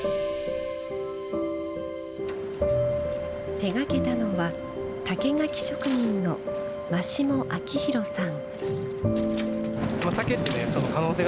手がけたのは竹垣職人の真下彰宏さん。